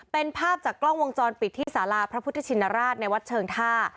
เป็นภาพจากกล้องวงจรปิดที่สาราพระพุทธชินราชในวัดเชิงท่า